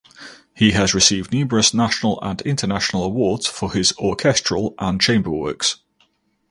He has received numerous national and international awards for his orchestral and chamber works.